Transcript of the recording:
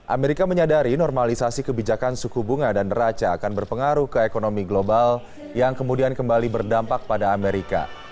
amerika menyadari normalisasi kebijakan suku bunga dan raca akan berpengaruh ke ekonomi global yang kemudian kembali berdampak pada amerika